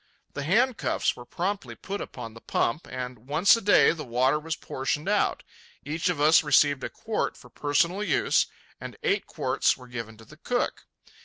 The handcuffs were promptly put upon the pump, and once a day the water was portioned out. Each of us received a quart for personal use, and eight quarts were given to the cook.